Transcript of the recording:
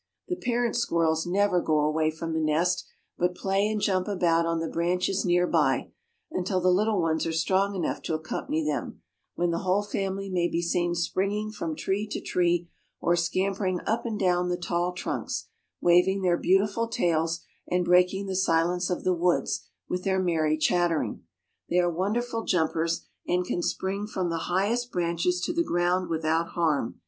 The parent squirrels never go away from the nest, but play and jump about on the branches near by, until the little ones are strong enough to accompany them, when the whole family may be seen springing from tree to tree, or scampering up and down the tall trunks, waving their beautiful tails, and breaking the silence of the woods with their merry chattering. They are wonderful jumpers, and can spring from the highest branches to the ground without harm.